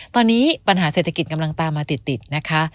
ตอนนี้ปัญหาเศรษฐกิจกำลังตามมาติดนะคะ